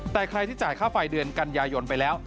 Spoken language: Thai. แต่ใครที่จ่ายค่าไฟเดือนกันยายนไปแล้ว